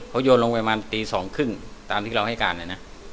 เขาโยนลงไปประมาณตีสองครึ่งตามที่เราให้การเนี่ยนะ